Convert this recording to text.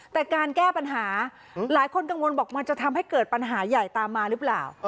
แต่การแก้ปัญหาหลายคนกังวลบอกมันจะทำให้เกิดปัญหาใหญ่ตามมาหรือเปล่า